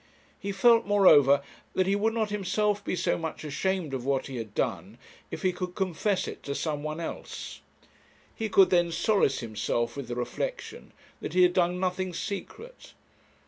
He felt, moreover, that he would not himself be so much ashamed of what he had done if he could confess it to some one else. He could then solace himself with the reflection that he had done nothing secret.